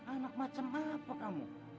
anak macam apa kamu